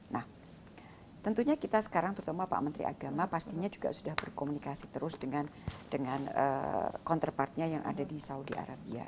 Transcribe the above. nah tentunya kita sekarang terutama pak menteri agama pastinya juga sudah berkomunikasi terus dengan counterpartnya yang ada di saudi arabia